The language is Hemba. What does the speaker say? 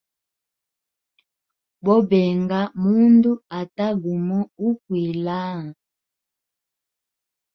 Bobenga mundu ata gumo ukwila haa.